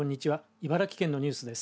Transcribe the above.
茨城県のニュースです。